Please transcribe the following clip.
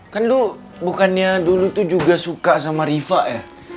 kan lu bukannya dulu tuh juga suka sama riva ya